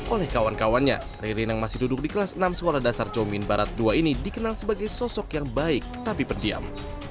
oleh kawan kawannya ririn yang masih duduk di kelas enam sekolah dasar jomin barat ii ini dikenal sebagai sosok yang baik tapi pendiam